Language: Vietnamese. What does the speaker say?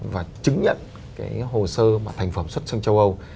và chứng nhận cái hồ sơ mà thành phẩm xuất sang châu âu